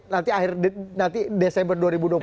nanti akhir desember dua ribu dua puluh